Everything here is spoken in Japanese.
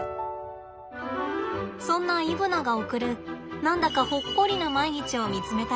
そんなイブナが送る何だかほっこりな毎日を見つめたよ。